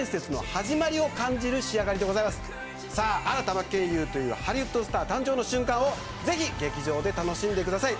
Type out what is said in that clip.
真剣佑というハリウッドスター誕生の瞬間をぜひ劇場で楽しんでください。